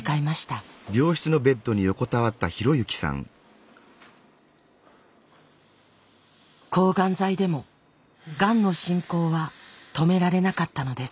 抗がん剤でもがんの進行は止められなかったのです。